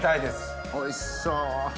おいしそう。